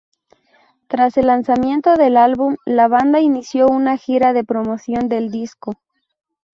Tras el lanzamiento del álbum, la banda inició una gira de promoción del disco.